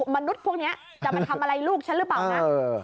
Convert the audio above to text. มนุษย์พวกนี้จะมาทำอะไรลูกฉันหรือเปล่านะ